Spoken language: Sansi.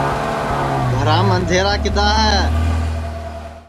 گھرام اندھیرا کِدؔا ہے